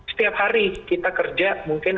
setiap hari kita kerja mungkin